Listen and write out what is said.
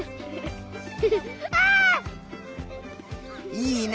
いいね。